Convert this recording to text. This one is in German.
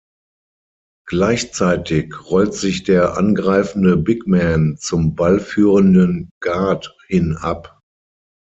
Gleichzeitig rollt sich der angreifende "big man" zum ballführenden Guard hin ab.